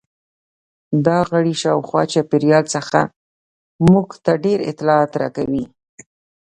دا غړي شاوخوا چاپیریال څخه موږ ته ډېر اطلاعات راکوي.